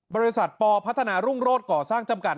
บริษัทปพัฒนารุ่งโรศก่อสร้างจำกัด